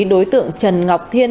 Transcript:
đối tượng trần ngọc thiên hai mươi